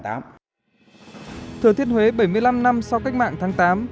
thừa thiết huế bảy mươi năm năm sau cách mạng tháng tám